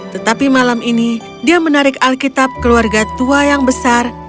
tetapi malam ini dia menarik alkitab keluarga tua yang besar